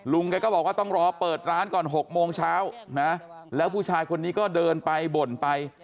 แกก็บอกว่าต้องรอเปิดร้านก่อน๖โมงเช้านะแล้วผู้ชายคนนี้ก็เดินไปบ่นไป